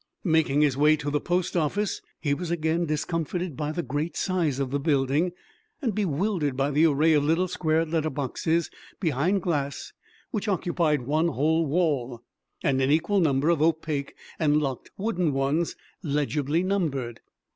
Making his way to the post office, he was again discomfited by the great size of the building, and bewildered by the array of little square letter boxes behind glass which occupied one whole wall, and an equal number of opaque and locked wooden ones legibly numbered.